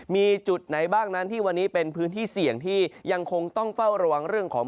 มีจุดไหนบ้างนั้นที่วันนี้เป็นพื้นที่เสี่ยงที่ยังคงต้องเฝ้าระวังเรื่องของ